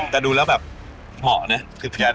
แต่ดูแล้วแบบเหมาะเนี่ย